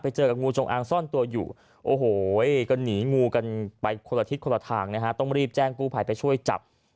เจอกับงูจงอางซ่อนตัวอยู่โอ้โหก็หนีงูกันไปคนละทิศคนละทางนะฮะต้องรีบแจ้งกู้ภัยไปช่วยจับ